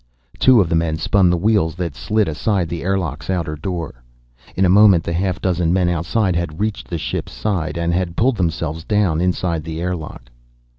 Two of the men spun the wheels that slid aside the airlock's outer door. In a moment the half dozen men outside had reached the ship's side, and had pulled themselves down inside the airlock.